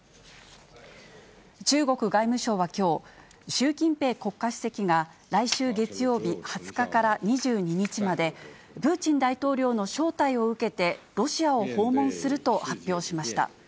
中国外務省はきょう、習近平国家主席が、来週月曜日２０日から２２日まで、プーチン大統領の招待を受けてロシアを訪問すると発表しました。